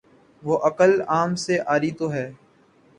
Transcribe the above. وہ عقل عام سے عاری تو ہے۔